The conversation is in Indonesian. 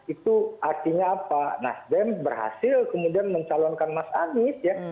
itu artinya apa nasdem berhasil kemudian mencalonkan mas anies ya